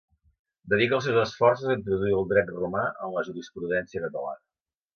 Dedica els seus esforços a introduir el dret romà en la jurisprudència catalana.